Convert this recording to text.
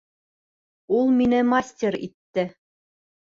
Ул мине мастер итте.